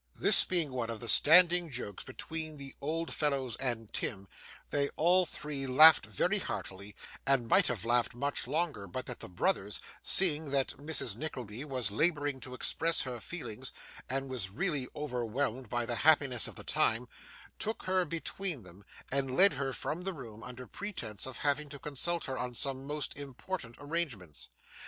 This being one of the standing jokes between the old fellows and Tim, they all three laughed very heartily, and might have laughed much longer, but that the brothers, seeing that Mrs. Nickleby was labouring to express her feelings, and was really overwhelmed by the happiness of the time, took her between them, and led her from the room under pretence of having to consult her on some most important arrangements.